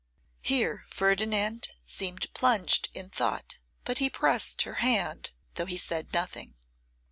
Here Ferdinand seemed plunged in thought, but he pressed her hand, though he said nothing.